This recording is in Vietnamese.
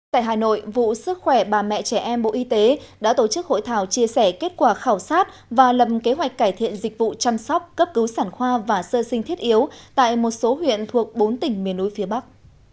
tại hà nội vụ sức khỏe bà mẹ trẻ em bộ y tế đã tổ chức hội thảo chia sẻ kết quả khảo sát và lầm kế hoạch cải thiện dịch vụ chăm sóc cấp cứu sản khoa và sơ sinh thiết yếu tại một số huyện thuộc bốn tỉnh miền núi phía bắc